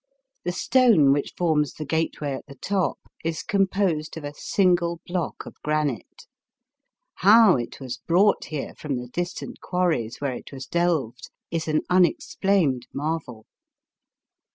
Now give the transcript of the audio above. The stone which forms the gateway at the top is composed of a single block of granite. How it was brought here from the distant quarries where it was delved is an unexplained marvel.